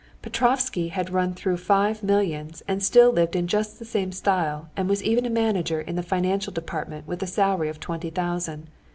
Petrovsky had run through five millions, and still lived in just the same style, and was even a manager in the financial department with a salary of twenty thousand.